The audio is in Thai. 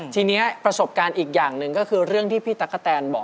ทีนี้ประสบการณ์อีกอย่างหนึ่งก็คือเรื่องที่พี่ตั๊กกะแตนบอก